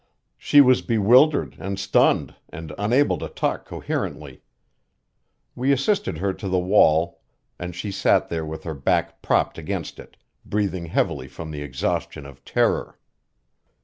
She was bewildered and stunned and unable to talk coherently. We assisted her to the wall, and she sat there with her back propped against it, breathing heavily from the exhaustion of terror.